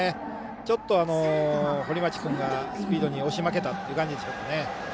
ちょっと、堀町君がスピードに押し負けた感じでしょうかね。